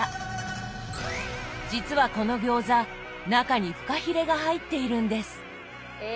実はこの餃子中にフカヒレが入っているんです。え！